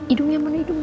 idungnya mana idungnya